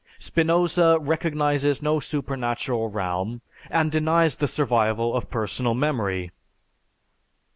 Spinoza recognizes no supernatural realm and denies the survival of personal memory.